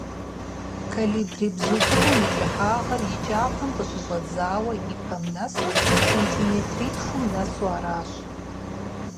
Колибри бзу цIыкIум и кIыхьагъыр и кIапэм къыщыщIэдзауэ и пэм нэс сэнтиметритхум нэсу аращ.